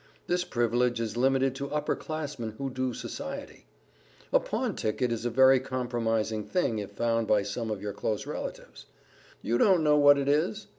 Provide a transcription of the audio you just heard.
This privilege is limited to upper classmen who do Society. A pawn ticket is a very compromising thing if found by some of your close relatives. You don't know what it is?